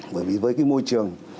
bởi vì với cái môi trường